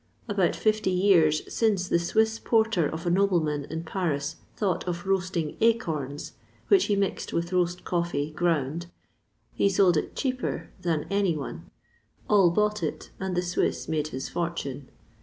About fifty years since the Swiss porter of a nobleman in Paris thought of roasting acorns, which he mixed with roast coffee, ground; he sold it cheaper than any one; all bought it, and the Swiss made his fortune.